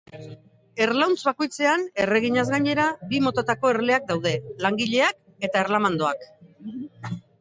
Erlauntz bakoitzean, erreginaz gainera, bi motatako erleak daude: langileak eta erlamandoak.